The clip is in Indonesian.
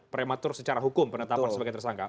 prematur secara hukum penetapan sebagai tersangka